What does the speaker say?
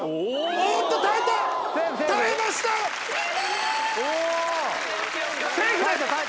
おーっと、耐えた。